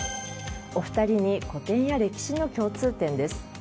お二人に古典や歴史の共通点です。